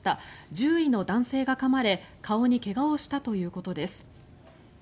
獣医の男性がかまれ顔に怪我をしたということです。